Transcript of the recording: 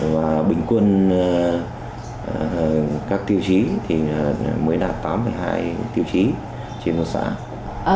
và bình quân các tiêu chí thì mới đạt tám mươi hai tiêu chí trên một xã